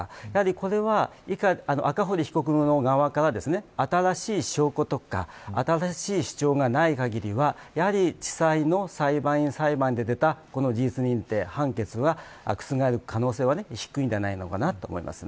これは、赤堀被告の側から新しい証拠とか新しい主張がない限りは地裁の裁判員裁判で出たこの事実認定、判決は覆る可能性は低いんじゃないかと思います。